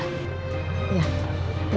liat dulu ya